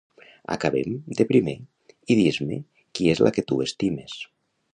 Acabem, de primer, i dis-me qui és la que tu estimes.